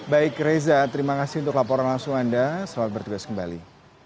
baik reza terima kasih untuk laporan langsung anda selamat bertugas kembali